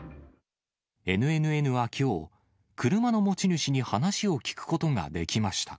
ＮＮＮはきょう、車の持ち主に話を聞くことができました。